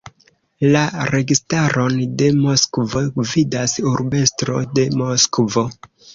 La Registaron de Moskvo gvidas Urbestro de Moskvo.